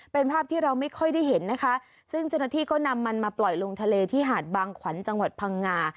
เป็นภาพที่เราไม่ค่อยได้เห็นนะคะซึ่งเจ้าหน้าที่ก็นำมันมาปล่อยลงทะเลที่หาดบางขวัญจังหวัดพังงา